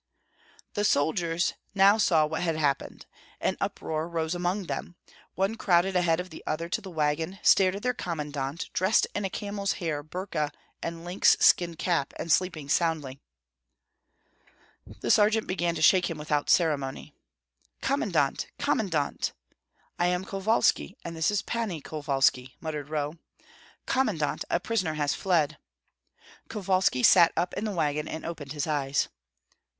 The soldiers now saw what had happened. An uproar rose among them. One crowded ahead of the other to the wagon, stared at their commandant, dressed in a camel's hair burka and lynx skin cap, and sleeping soundly. The sergeant began to shake him without ceremony. "Commandant! commandant!" "I am Kovalski, and this is Pani Kovalski," muttered Roh. "Commandant, a prisoner has fled." Kovalski sat up in the wagon and opened his eyes.